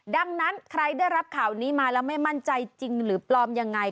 ดังนั้นใครได้รับข่าวนี้มาแล้วไม่มั่นใจจริงหรือปลอมยังไง